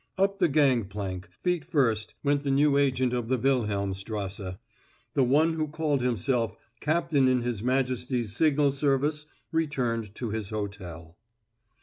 Up the gangplank, feet first, went the new agent of the Wilhelmstrasse. The one who called himself "captain in his majesty's signal service" returned to his hotel.